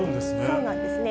そうなんですね。